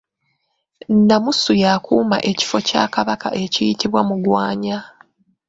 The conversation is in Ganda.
Nnamusu y’akuuma ekifo kya Kabaka ekiyitibwa Mugwanya.